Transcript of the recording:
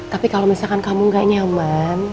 tapi kalau misalkan kamu gak nyaman